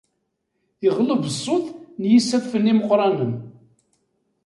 Iɣleb ṣṣut n yisaffen imeqqranen.